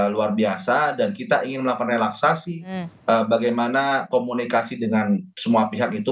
luar biasa dan kita ingin melakukan relaksasi bagaimana komunikasi dengan semua pihak itu